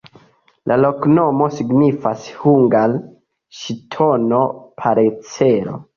La loknomo signifas hungare ŝtono-parcelo.